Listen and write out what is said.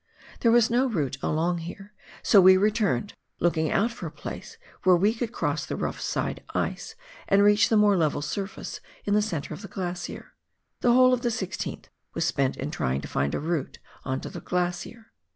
There was no route along here, so we returned, looking out for a place where we could cross the rough side ice and reach the more level surface in the centre of the glacier. The whole of the 16th was spent in trying to find a route on to the glacier.